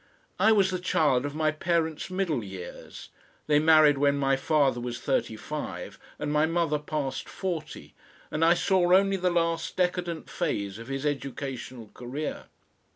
I was the child of my parents' middle years; they married when my father was thirty five and my mother past forty, and I saw only the last decadent phase of his educational career.